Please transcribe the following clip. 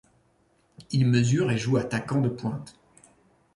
Il mesure et joue attaquant de pointe.